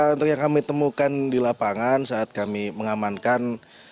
untuk yang kami temukan di lapangan saat kami mengamankan